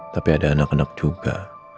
tapi ada anak anak juga